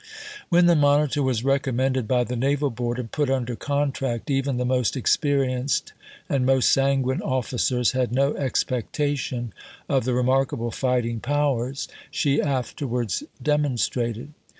When the Monitor was recommended by the Naval Board, and put under contract, even the most experienced and most sanguine officers had no expectation of the remarkable fighting powers she afterwards demonstrated.